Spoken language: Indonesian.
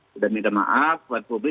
sudah minta maaf buat publik